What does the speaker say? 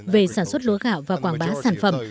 về sản xuất lúa gạo và quảng bá sản phẩm